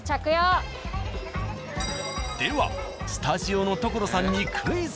ではスタジオの所さんにクイズ。